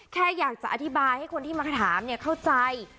แค่อยากจะอธิบายให้คนที่มาถามเข้าใจ